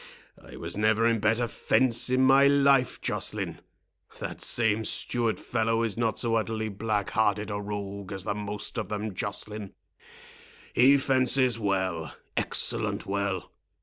—I was never in better fence in my life, Joceline. That same steward fellow is not so utterly black hearted a rogue as the most of them, Joceline. He fences well—excellent well.